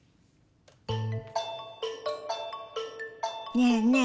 ねえねえ